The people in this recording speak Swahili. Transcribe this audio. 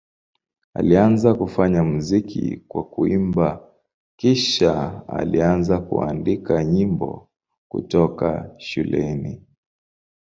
Alianza kufanya muziki kwa kuimba, kisha alianza kuandika nyimbo kutoka shuleni.